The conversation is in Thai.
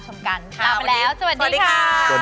มีคนเดียว